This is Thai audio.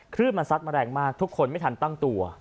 ขึ้นมันซัดมาแรงมากทุกคนไม่ทันตั้งตัว